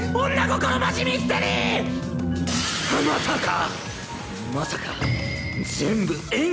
まさか。